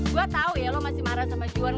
gue tau ya lo masih marah sama juara